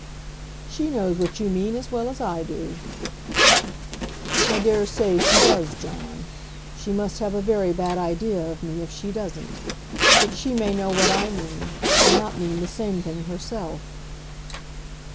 "She knows what you mean as well as I do." "I dare say she does, John. She must have a very bad idea of me if she doesn't. But she may know what I mean and not mean the same thing herself."